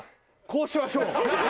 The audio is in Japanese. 「こうしましょう」。